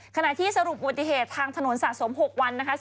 ขณะที่สรุปอุบัติเหตุทางถนนสะสม๖วันนะคะ